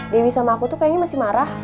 dewi sama aku tuh kayaknya masih marah